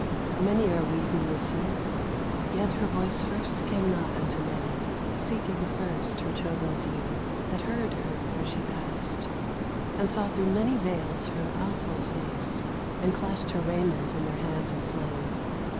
Many are we who listen, yet her voice First came not unto many, seeking first Her chosen few, that heard her where she passed, And saw thro' many veils her awful face, And clasped her raiment in their hands of flame.